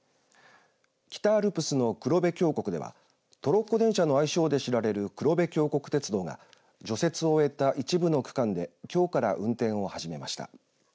北アルプスの黒部峡谷ではトロッコ電車の愛称で知られる黒部峡谷鉄道が除雪を終えた一部の区間できょうから運転を始めました。